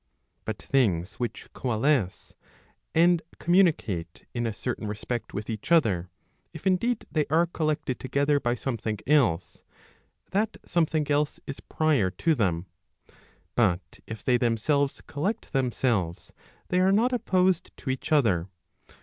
But things which coalesce, and communicate in a certain respect with each other, if indeed they are collected together by something else, that something else is prior to them. But if they themselves collect them¬ selves, they are not opposed to each other.